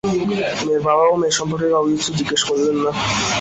মেয়ের বাবাও মেয়ে সম্পর্কে কাউকে কিছু জিজ্ঞেস করলেন না।